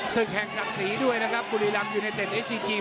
ศึกแห่งสังสีด้วยนะครับกุรีรัมยูไนเต็ดเอสซีกี